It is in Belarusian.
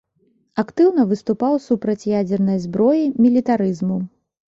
Актыўна выступаў супраць ядзернай зброі, мілітарызму.